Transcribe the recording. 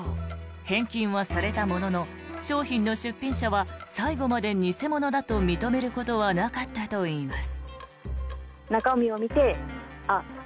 返金はされたものの商品の出品者は最後まで偽物だと認めることはなかったといいます。